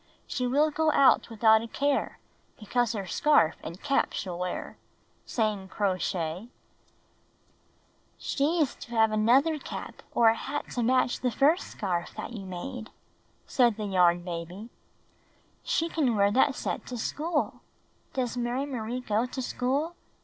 She will go out Without a care, Because her scarf And cap she'll wear," Bang Crow Shay. Tie hdMeeti tuo cardboards Mary Marie's Cap 97 "She is to have another cap or a hat to match the first scarf that you made," said the Yarn Baby. "She can wear that set to school — does Mary Marie go to school?